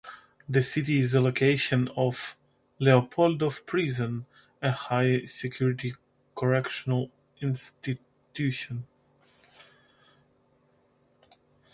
The city is the location of Leopoldov Prison, a high-security correctional institution.